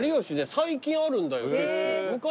最近あるんだよ結構。